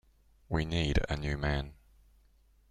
We need a new man.